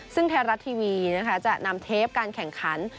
ซึ่งเทราะต์ทีวีจะนำเทปการแข่งขัน